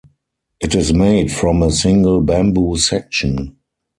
It is made from a single bamboo section.